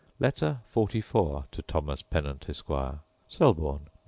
Letter XLIV To Thomas Pennant, Esquire Selborne, Nov.